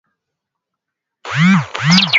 Mushi weke nyama chini ita bamba bulongo